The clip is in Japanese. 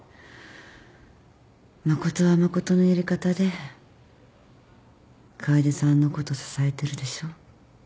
誠は誠のやり方で楓さんのこと支えてるでしょ？